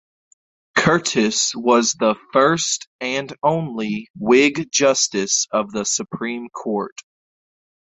Curtis was the first and only Whig justice of the Supreme Court.